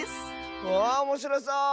ああおもしろそう！